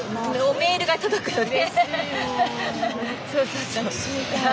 メールが届くので。